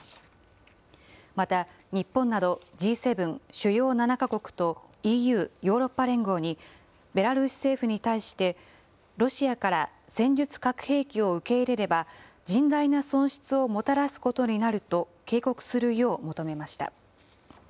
また、日本などＧ７・主要７か国とＥＵ・ヨーロッパ連合に、ベラルーシ政府に対して、ロシアから戦術核兵器を受け入れれば、甚大な損失をもたらすことになると、警告するよう求めました。